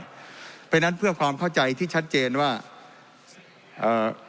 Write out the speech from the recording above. เพราะฉะนั้นเพื่อความเข้าใจที่ชัดเจนว่าเอ่อ